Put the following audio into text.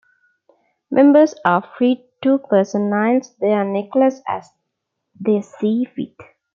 Members are free to personalize their necklace as they see fit.